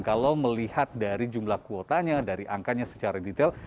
kalau melihat dari jumlah kuotanya dari angkanya secara detail